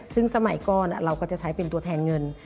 ซึ่งสมัยก่อนเราก็จะใช้เป็นตัวแทนเงิน